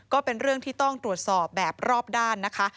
ก็เป็นเรื่องที่ต้องตรวจสอบแบบรอบด้านนะคะ